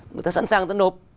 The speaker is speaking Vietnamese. người ta sẵn sàng tấn hộp